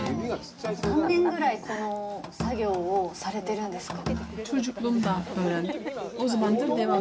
何年ぐらいこの作業をされてるんですか。